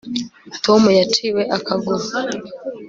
Tom yaciwe ukuguru